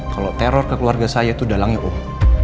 kalau teror ke keluarga saya itu dalang ya om